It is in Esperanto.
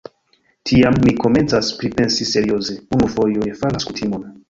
Tiam, mi komencas pripensi serioze: unu fojo ne faras kutimon.